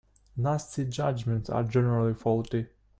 Hasty judgements are generally faulty.